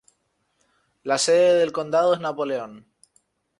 La sede del condado es Napoleon.